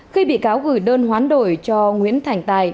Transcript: khi bị cáo gửi đơn hoán đổi cho nguyễn thành tài